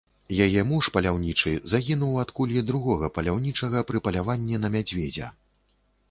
Яе муж, паляўнічы, загінуў ад кулі другога паляўнічага пры паляванні на мядзведзя.